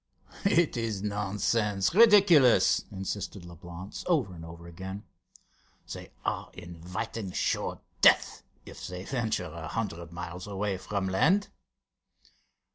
"It is nonsense, ridiculous," insisted Leblance, over and over again. "They are inviting sure death if they venture a hundred miles away from land."